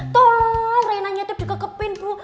tolong reina nyetir juga ke pin bu